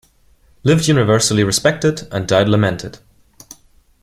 Lived universally respected, and died lamented.